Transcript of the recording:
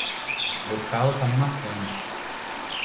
Meu calo tá me matando.